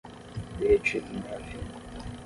Derretido no ar fino